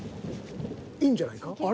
いいんじゃないか。